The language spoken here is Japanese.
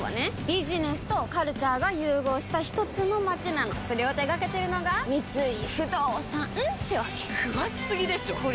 ビジネスとカルチャーが融合したひとつの街なのそれを手掛けてるのが三井不動産ってわけ詳しすぎでしょこりゃ